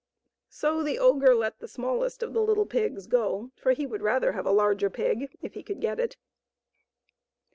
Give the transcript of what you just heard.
So the ogre let the smallest of the little pigs go, for he would rather have a larger pig if he could get it.